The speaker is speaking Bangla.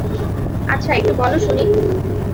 আচ্ছা, একটু বল শুনি!